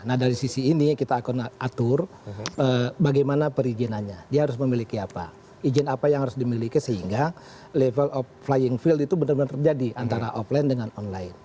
nah dari sisi ini kita akan atur bagaimana perizinannya dia harus memiliki apa izin apa yang harus dimiliki sehingga level of flying field itu benar benar terjadi antara offline dengan online